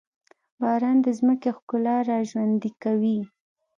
باران د ځمکې ښکلا راژوندي کوي.